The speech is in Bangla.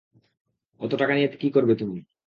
অত টাকা নিয়ে কী করবে তুমি?